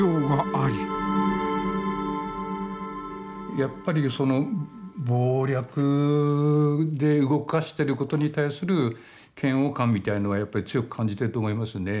やっぱり謀略で動かしてることに対する嫌悪感みたいのはやっぱり強く感じてると思いますね。